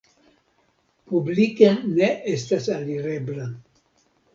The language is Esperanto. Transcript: Publike ne estas alirebla.